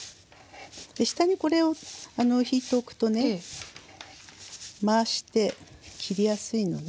下にこれをひいておくとね回して切りやすいのね。